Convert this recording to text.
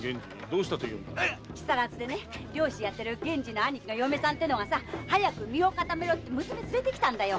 木更津で漁師をやってる源次の兄貴の嫁さんがさ早く身を固めろって娘を連れてきたんだよ。